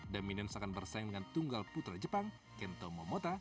dominions akan bersaing dengan tunggal putra jepang kento momota